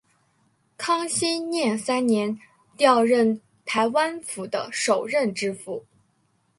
康熙廿三年调任台湾府的首任知府。